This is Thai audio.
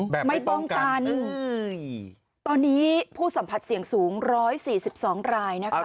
แบบไม่ป้องกันไม่ป้องกันตอนนี้ผู้สัมผัสเสี่ยงสูง๑๔๒รายนะคะ